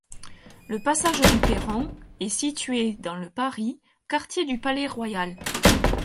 Le passage du Perron est situé dans le de Paris, quartier du Palais-Royal.